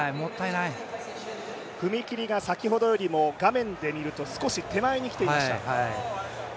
踏み切りが先ほどよりも少し手前にきていました。